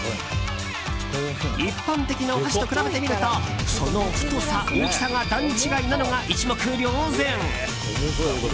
一般的なお箸と比べてみるとその太さ、大きさが段違いなのが一目瞭然。